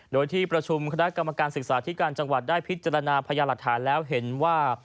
โดยที่ประชุมคณะกรรมการศึกษาธิการจังหวัดได้พิจารณาพยาหลักฐานแล้วเห็นว่า